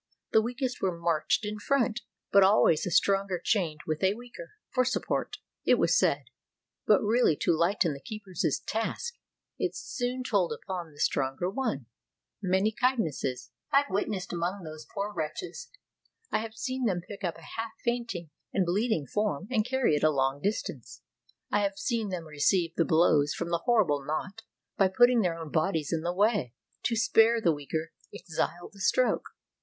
The weakest were marched in front, but always a stronger chained with a weaker; for support, it was said, but really to lighten the keeper's task. It soon told upon the stronger one. Many kindnesses I have witnessed among those poor wretches. I have seen them pick up a half fainting and bleeding form and carry it a long distance. I have seen them receive the blows from the horrible knout by put ting their own bodies in the way, to spare the weaker exile the stroke.